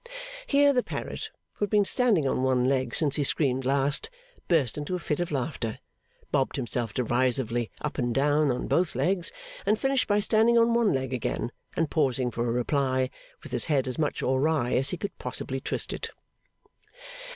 Here the parrot, who had been standing on one leg since he screamed last, burst into a fit of laughter, bobbed himself derisively up and down on both legs, and finished by standing on one leg again, and pausing for a reply, with his head as much awry as he could possibly twist it.